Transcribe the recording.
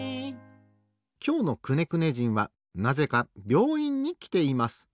きょうのくねくね人はなぜかびょういんにきています。